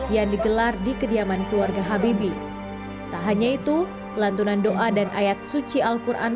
yang digelar di kediaman keluarga habibie tak hanya itu lantunan doa dan ayat suci al quran